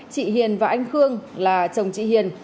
chị hiền và anh khương là chồng chị hiền